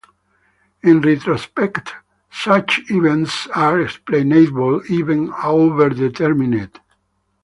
In retrospect, such events are explainable, even overdetermined.